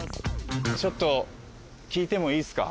ちょっと聞いてもいいっすか？